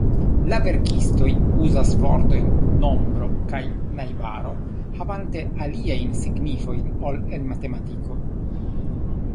La verkistoj uzas vortojn 'nombro' kaj 'najbaro' havante aliajn signifojn ol en matematiko.